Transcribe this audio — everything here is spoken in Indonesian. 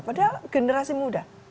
padahal generasi muda